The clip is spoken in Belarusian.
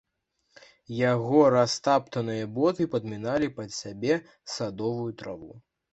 Яго растаптаныя боты падміналі пад сябе садовую траву.